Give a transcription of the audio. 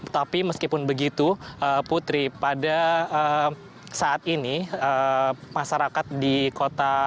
tetapi meskipun begitu putri pada saat ini masyarakat di kota